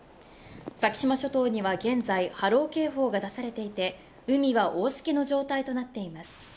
先島諸島には現在、波浪警報が出されていて、海は大しけの状態となっています。